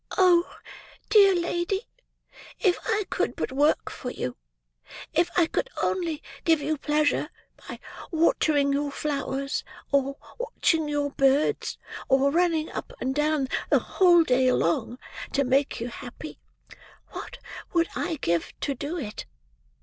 "Oh! dear lady, if I could but work for you; if I could only give you pleasure by watering your flowers, or watching your birds, or running up and down the whole day long, to make you happy; what would I give to do it!"